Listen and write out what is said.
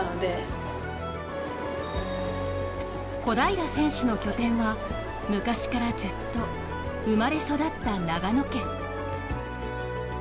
小平選手の拠点は昔からずっと生まれ育った長野県。